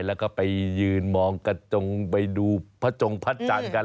แล้วก็ไปยืนมองกระจงไปดูพระจงพระจันทร์กัน